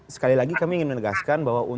sekali lagi kami ingin menegaskan bahwa